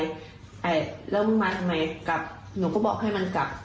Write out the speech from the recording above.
แล้วมึงมาทำไมกลับหนูก็บอกให้มันกลับ